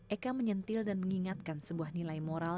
eka menyentil dan mengingatkan sebuah nilai moral